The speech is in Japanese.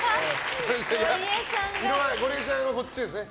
ゴリエちゃんはこっちですね。